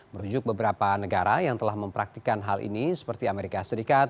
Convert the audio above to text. merujuk beberapa negara yang telah mempraktikan hal ini seperti amerika serikat